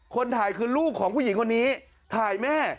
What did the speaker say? คนถ่ายคือลูกของผู้หญิงคนนี้ถ่ายแม่